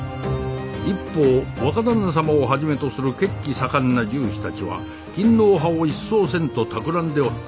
一方若旦那様をはじめとする血気盛んな銃士たちは勤皇派を一掃せんとたくらんでおった。